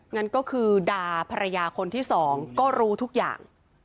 งั้นก็คือด่าภรรยาคนที่สองก็รู้ทุกอย่าง